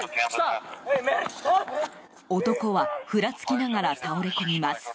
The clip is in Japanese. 男はふらつきながら倒れ込みます。